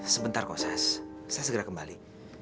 sebentar kok sas saya segera kembali